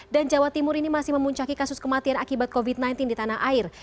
dan jawa timur ini masih memuncaki kasus kematian akibat covid sembilan belas di tanah air